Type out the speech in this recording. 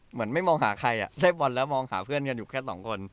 เหมือนไม่มองหาใครได้บอลแล้วมองหาเพื่อนกันอยู่แค่สองคน